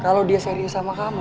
kalau dia serius sama kamu